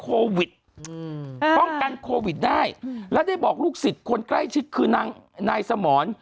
โควิดป้องกันโควิดได้แล้วได้บอกลูกศิษย์คนใกล้ชิดคือนางนายสมร